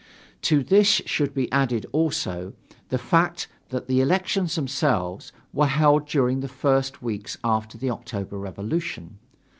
To this should be added also the fact that the elections themselves were held during the first weeks after the October revolution.